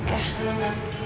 saya bisa menikah